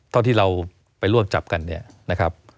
เท่าที่เราไปรวบจับกันเนี่ยนะครับ